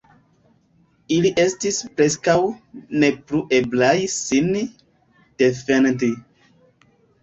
Ili estis preskaŭ ne plu eblaj sin defendi.